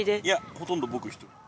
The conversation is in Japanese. いやほとんど僕１人。